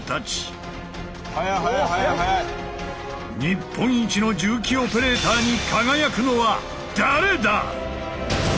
日本一の重機オペレーターに輝くのは誰だ⁉